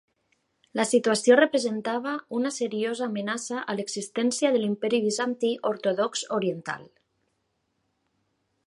La situació representava una seriosa amenaça a l'existència de l'Imperi Bizantí Ortodox Oriental.